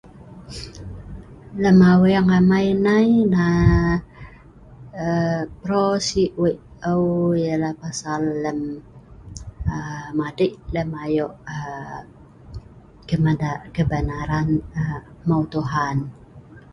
Lem Aweng amai nai , pro si wei aeu yah lah pasal lem madei lem ayo kebenaran hmeu Tuhan